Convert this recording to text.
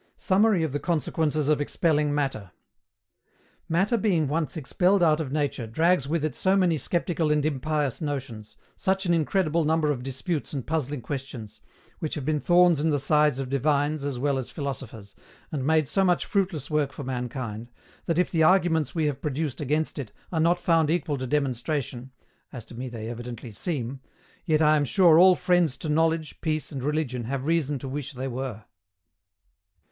SUMMARY OF THE CONSEQUENCES OF EXPELLING MATTER. Matter being once expelled out of nature drags with it so many sceptical and impious notions, such an incredible number of disputes and puzzling questions, which have been thorns in the sides of divines as well as philosophers, and made so much fruitless work for mankind, that if the arguments we have produced against it are not found equal to demonstration (as to me they evidently seem), yet I am sure all friends to knowledge, peace, and religion have reason to wish they were.